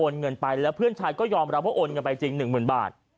เงินไปแล้วเพื่อนชายก็ยอมรับว่าโอนเงินไปจริงหนึ่งหมื่นบาท